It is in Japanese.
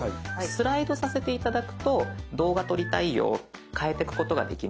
スライドさせて頂くと動画撮りたいよ変えてくことができますので。